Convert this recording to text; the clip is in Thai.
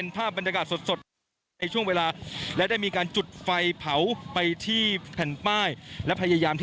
แรงงานเข้ามาครับเชิญครับ